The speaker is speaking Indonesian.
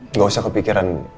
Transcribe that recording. nggak usah kepikiran